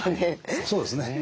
そうですね